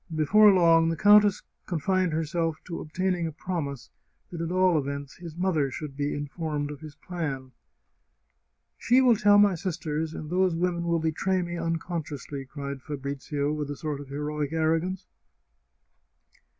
Before long the countess con fined herself to obtaining a promise that at all events his mother should be informed of his plan. " She will tell my sisters, and those women will betray me unconsciously !" cried Fabrizio, with a sort of heroic arrogance.